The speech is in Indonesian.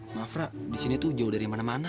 maaf ra disini tuh jauh dari mana mana